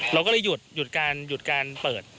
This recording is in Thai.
เราก็เลยหยุดหยุดการหยุดการเปิด